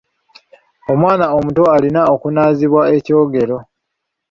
Omwana omuto alina okunaazibwa ekyogero.